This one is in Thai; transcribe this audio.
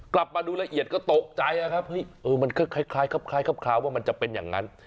กลับมาดูละเอียดก็ตกใจครับมันคือคล้ายครับว่ามันจะเป็นอย่างนั้น